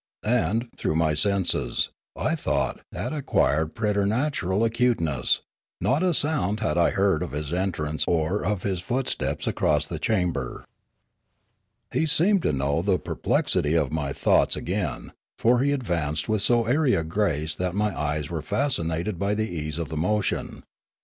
And, though my senses, I thought, had acquired preternatural acuteness, not a sound had I heard of his entrance or of his footsteps across the chamber. He seemed to know the perplexity of my thoughts again, for he advanced with so airy a grace that my eyes were fascinated by the ease of the motion.